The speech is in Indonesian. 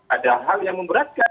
ada hal yang memberatkan